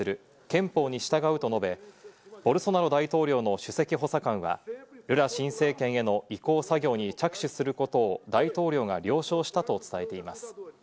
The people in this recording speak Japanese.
憲法に従うと述べ、ボルソナロ大統領の主席補佐官はルラ新政権への移行作業に着手することを大統領が了承したと伝えています。